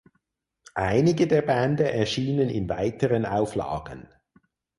Einige der Bände erschienen in weiteren Auflagen.